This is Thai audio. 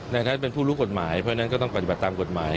ท่านเป็นผู้รู้กฎหมายเพราะฉะนั้นก็ต้องปฏิบัติตามกฎหมาย